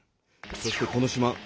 そしてこの島。